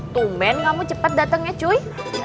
tumen kamu cepat datang ya cuy